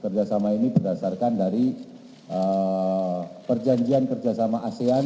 kerjasama ini berdasarkan dari perjanjian kerjasama asean